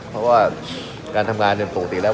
เพราะการทำงานจริงปกติแล้ว